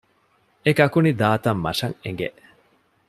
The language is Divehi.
އެ ކަކުނި ދާ ތަން މަށަށް އެނގެ